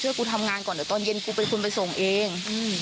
กูทำงานก่อนเดี๋ยวตอนเย็นกูเป็นคนไปส่งเอง